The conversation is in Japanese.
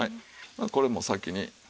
これもう先にね。